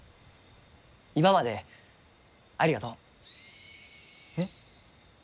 今までありがとう。えっ。